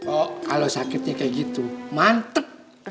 oh kalau sakitnya kayak gitu mantep